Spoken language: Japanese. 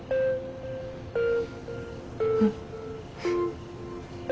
うん。